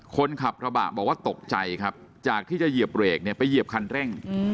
คนขับกระบะบอกว่าตกใจครับจากที่จะเหยียบเบรกเนี่ยไปเหยียบคันเร่ง